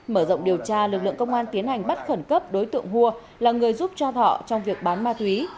mở rộng điều tra lực lượng công an tiến hành bắt khẩn cấp đối tượng hua là người giúp cho thọ trong việc bán ma túy